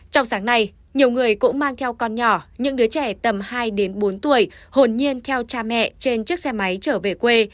trong sáng nay nhiều người cũng mang theo con nhỏ những đứa trẻ tầm hai đến bốn tuổi hồn nhiên theo cha mẹ trên chiếc xe máy trở về quê